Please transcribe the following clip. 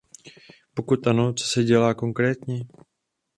Pokud ano, co se dělá konkrétně?